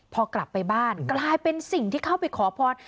พอกลับไปบ้านกลายเป็นสิ่งที่เข้าไปขอพร